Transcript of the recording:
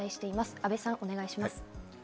阿部さん、お願いします。